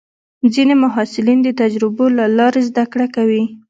ځینې محصلین د تجربو له لارې زده کړه کوي.